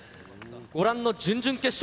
ご覧の準々決勝